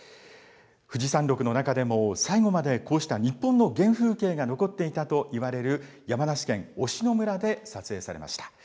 富士山麓の中でも、最後までこうした日本の原風景が残っていたといわれる山梨県忍野村で撮影されました。